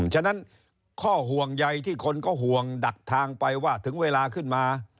ฉะนั้นข้อห่วงใยที่คนก็ห่วงดักทางไปว่าถึงเวลาขึ้นมา